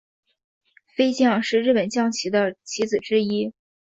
飞将是日本将棋的棋子之一。